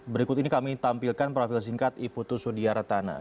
berikut ini kami tampilkan profil singkat iputu sudiartana